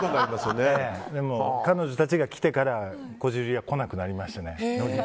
彼女たちが来てからこじるりは来なくなりましたね。